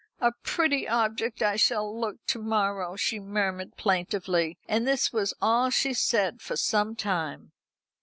"A pretty object I shall look to morrow!" she murmured plaintively, and this was all she said for some time.